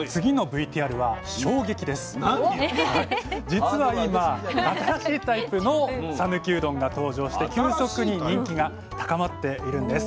実は今新しいタイプの讃岐うどんが登場して急速に人気が高まっているんです。